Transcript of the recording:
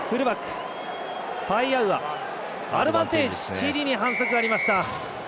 チリに反則がありました。